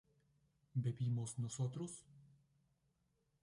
¿bebimos nosotros?